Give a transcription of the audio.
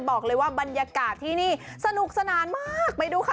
บรรยากาศที่นี่สนุกสนานมากไปดูค่ะ